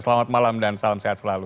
selamat malam dan salam sehat selalu